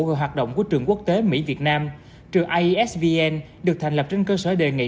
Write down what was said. và hoạt động của trường quốc tế mỹ việt nam trừ aisvn được thành lập trên cơ sở đề nghị